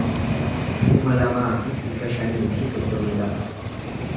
kuma lamaa fi dhibba shanii fi soddomii lama